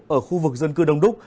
ở khu vực dân cư đông đúc